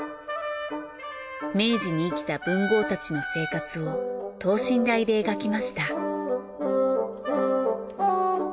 明治に生きた文豪たちの生活を等身大で描きました。